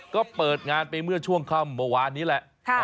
ก็เปิดงานไปเมื่อช่วงค่ำเมื่อวานนี้แหละ